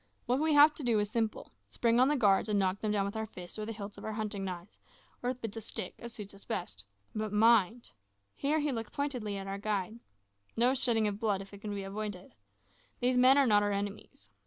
What we have to do is simple. Spring on the guards and knock them down with our fists or the hilts of our hunting knives, or with bits of stick, as suits us best. But mind" here he looked pointedly at our guide "no shedding of blood if it can be avoided. These men are not our enemies.